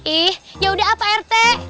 ih yaudah pak rt